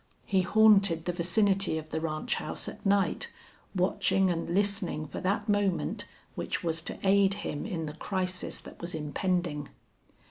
He haunted the vicinity of the ranch house at night, watching and listening for that moment which was to aid him in the crisis that was impending.